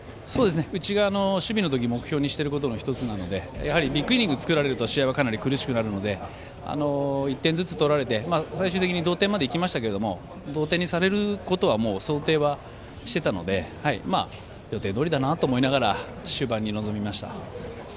うちが守備のとき目標にしていることなのでやはりビッグイニング作られると試合はかなり苦しくなるので１点ずつ取られて最終的に同点までいきましたけど同点にされる想定はしていたので予定どおりだなと思いながら終盤に臨みました。